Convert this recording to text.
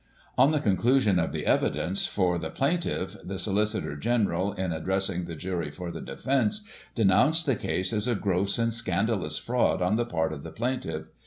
On the conclusion of the evidence for the plaintiff, the Solicitor General, in addressing the jury for the defence, de nounced the case as a gross and scandalous fraud on the part of the plaintiff.